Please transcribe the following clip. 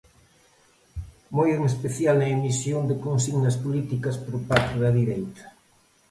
Moi en especial na emisión de consignas políticas por parte da dereita.